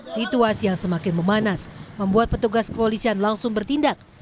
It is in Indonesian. situasi yang semakin memanas membuat petugas kepolisian langsung bertindak